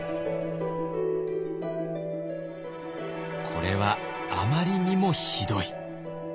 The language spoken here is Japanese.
これはあまりにもひどい。